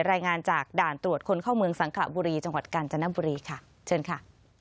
รายงานจากด่านตรวจคนเข้าเมืองสังขระบุรีจังหวัดกาญจนบุรีค่ะเชิญค่ะ